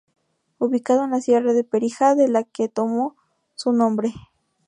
Ubicado en la Sierra de Perijá de la que tomó su nombre.